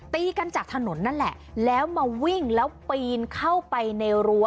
ตีกันจากถนนนั่นแหละแล้วมาวิ่งแล้วปีนเข้าไปในรั้ว